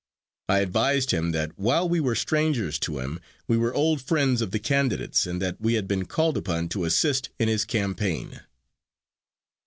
I advised him that while we were strangers to him we were old friends of the candidate's and that we had been called upon to assist in his campaign.